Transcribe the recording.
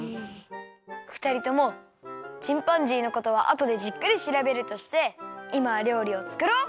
ふたりともチンパンジーのことはあとでじっくりしらべるとしていまはりょうりをつくろう！